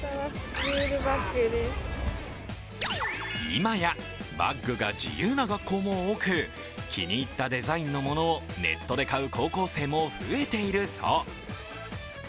今や、バッグが自由な学校も多く気に入ったデザインのものをネットで買う高校生も増えているそう。